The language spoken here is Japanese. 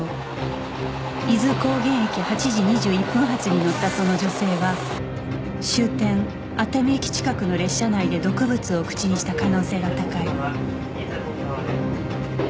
伊豆高原駅８時２１分発に乗ったその女性は終点熱海駅近くの列車内で毒物を口にした可能性が高い